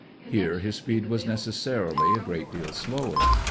Here his speed was necessarily a great deal slower.